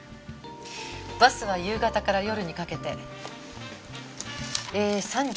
バスは夕方から夜にかけてえー三条